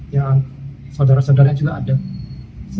yang saudara saudara juga ada